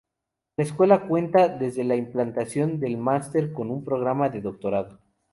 La escuela cuenta desde la implantación del máster con un programa de doctorado.